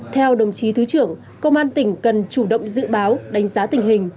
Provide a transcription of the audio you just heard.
theo đồng chí thứ trưởng công an tỉnh cần chủ động dự báo đánh giá tình hình